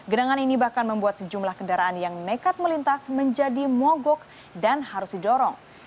genangan ini bahkan membuat sejumlah kendaraan yang nekat melintas menjadi mogok dan harus didorong